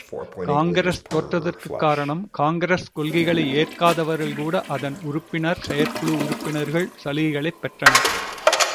காங்கிரஸ் தோற்றதற்குக் காரணம், காங்கிரஸ் கொள்கைகளை ஏற்காதவர்கள் கூட அதன் உறுப்பினர், செயற்குழு உறுப்பினர்கள், சலுகைகளையும் பெற்றனர்.